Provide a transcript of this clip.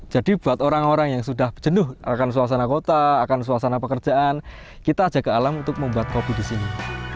jadi buat orang orang yang sudah jenuh akan suasana kota akan suasana pekerjaan kita aja ke alam untuk membuat kopi di sini